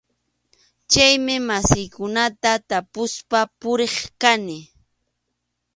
Chaymi masiykunata tapuspa puriq kani.